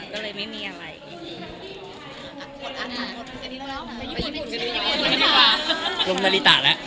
ก็เลยไม่มีอะไร